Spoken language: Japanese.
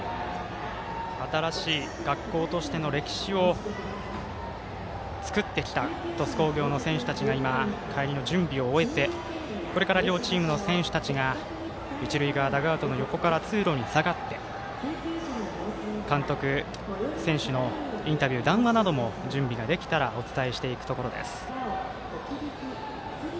新しい学校としての歴史を作ってきた鳥栖工業の選手たちが今、帰りの準備を終えてこれから両チームの選手たちが一塁側、ダグアウトの横から通路に下がって、監督、選手のインタビュー、談話なども準備ができたらお伝えしていくところです。